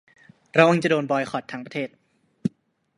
ระวังจะโดนบอยคอตทั้งประเทศ